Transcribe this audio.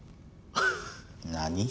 何？